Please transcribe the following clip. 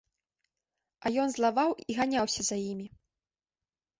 А ён злаваў і ганяўся за імі.